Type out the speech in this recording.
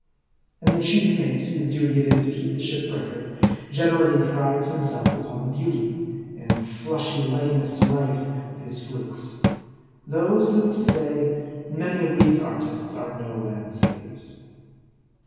And the chief mate, whose duty it is to keep the ship's record, generally prides himself upon the beauty, and flushy likeness to life, of his flukes ; though, sooth to say, many of these artists are no Landseers.